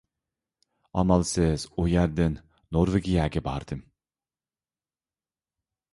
ئامالسىز ئۇ يەردىن نورۋېگىيەگە باردىم.